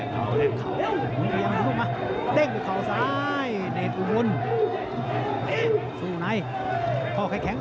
ต้องเต็มข่าวเร็วต้องเต็มข่าวเร็ว